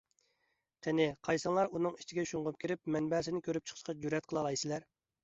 قېنى، قايسىڭلار ئۇنىڭ ئىچىگە شۇڭغۇپ كىرىپ مەنبەسىنى كۆرۈپ چىقىشقا جۈرئەت قىلالايسىلەر؟